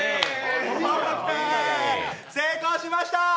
成功しました。